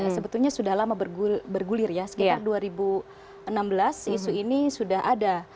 sebetulnya sudah lama bergulir ya sekitar dua ribu enam belas isu ini sudah ada